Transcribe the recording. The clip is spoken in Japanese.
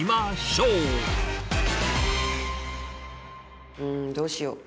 うんどうしよう。